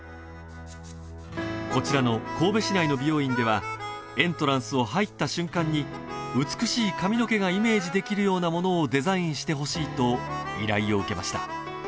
こちらの神戸市内の美容院ではエントランスを入った瞬間に美しい髪の毛がイメージできるようなものをデザインしてほしいと依頼を受けました